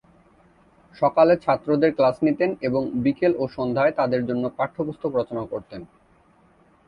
সকালে ছাত্রদের ক্লাস নিতেন এবং বিকেল ও সন্ধ্যায় তাদের জন্য পাঠ্যপুস্তক রচনা করতেন।